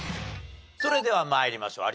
それでは参りましょう。